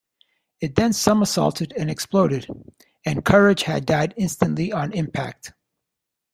It then somersaulted and exploded, and Courage had died instantly on impact.